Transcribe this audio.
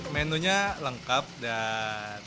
menunya lengkap dan ada kenangan lah di sini